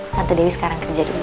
tante dewi sekarang kerja dulu